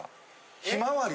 ひまわり？